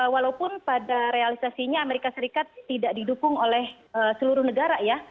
walaupun pada realisasinya amerika serikat tidak didukung oleh seluruh negara ya